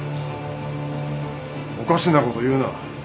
おかしなこと言うな。